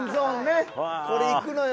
これいくのよ。